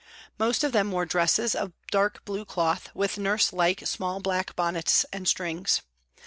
Most of them wore dresses of dark blue cloth with nurse like, small black bonnets and strings.